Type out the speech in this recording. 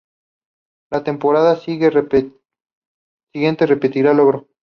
La temporada siguiente repetiría logro.